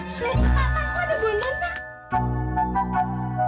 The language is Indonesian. nanti nanti aku ada bunda